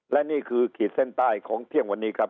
และนี่คือขีดเส้นใต้ของเที่ยงวันนี้ครับ